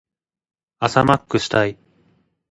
朝マックしたい。